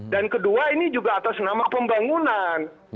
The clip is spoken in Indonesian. dan kedua ini juga atas nama pembangunan